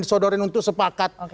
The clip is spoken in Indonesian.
disodorin untuk sepakat